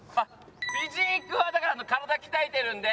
フィジークはだから体鍛えてるんで。